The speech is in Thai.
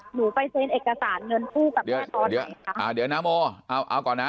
หนูไปเทรนเอกสารเงินผู้กับแม่ตอนไหนค่ะอ่าเดี๋ยวนะโมเอาก่อนนะ